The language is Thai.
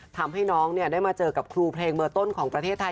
ทำให้น้องได้มาเจอกับครูเพลงเบอร์ต้นของประเทศไทย